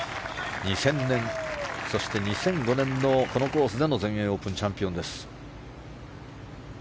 ２０００年、そして２００５年のこのコースでの全英オープンチャンピオンです。